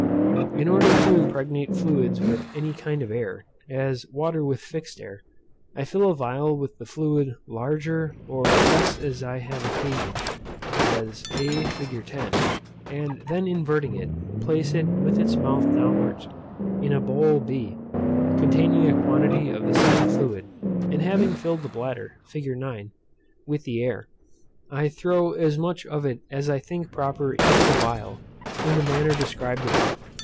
In order to impregnate fluids with any kind of air, as water with fixed air, I fill a phial with the fluid larger or less as I have occasion (as a fig. 10;) and then inverting it, place it with its mouth downwards, in a bowl b, containing a quantity of the same fluid; and having filled the bladder, fig. 9, with the air, I throw as much of it as I think proper into the phial, in the manner described above.